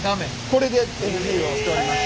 これでＮＧをしております。